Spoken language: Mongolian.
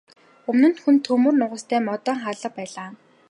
Өмнө нь хүнд төмөр нугастай модон хаалга байлаа.